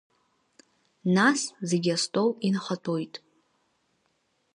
Нас зегьы астол инахатәоит.